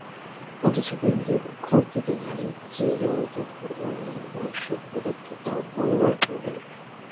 অথচ বিন্দুর খুড়তুতো ভাইরা যে জগতে পরমাবশ্যক পদার্থ তা বলবার জো নেই।